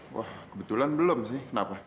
wah kebetulan belum sih kenapa